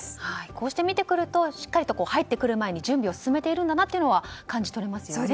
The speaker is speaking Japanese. こうして見るとしっかり入ってくる前に準備を進めているんだなというの感じ取れますね。